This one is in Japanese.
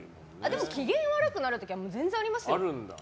でも機嫌悪くなる時全然ありますよ。